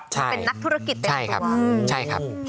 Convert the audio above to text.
เป็นนักธุรกิจเนี่ยตัว